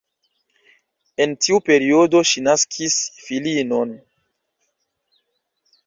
En tiu periodo ŝi naskis filinon.